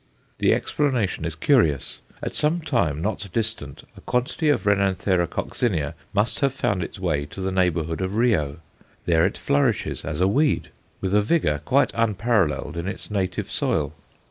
The explanation is curious. At some time, not distant, a quantity of R. coccinea must have found its way to the neighbourhood of Rio. There it flourishes as a weed, with a vigour quite unparalleled in its native soil.